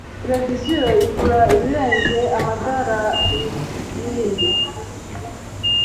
Televiziyo igura ibirenze amadarubindi. (lukaszpp)